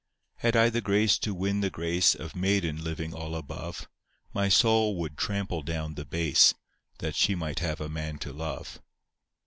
Had I the grace to win the grace Of maiden living all above, My soul would trample down the base, That she might have a man to love.